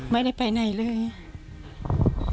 ไม่ได้ไปไหนเลยไม่ได้ไปไหนเลย